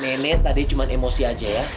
nenek tadi cuma emosi aja ya